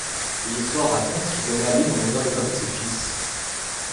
L’histoire raconte qu’il nomma l’île en l’honneur d’un de ses fils.